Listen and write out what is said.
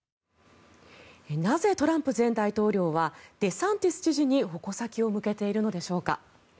なぜトランプ前大統領はデサンティス知事に矛先を向けているのでしょうか。